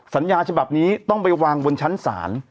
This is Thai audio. สัญญาฉบับนี้ต้องไปวางบนชั้นศาล